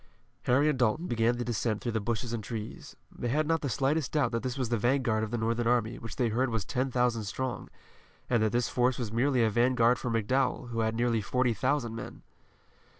Harry and Dalton began the descent through the bushes and trees. They had not the slightest doubt that this was the vanguard of the Northern army which they heard was ten thousand strong, and that this force was merely a vanguard for McDowell, who had nearly forty thousand men.